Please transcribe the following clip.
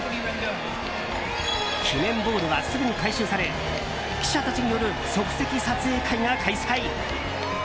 記念ボールはすぐに回収され記者たちによる即席撮影会が開催。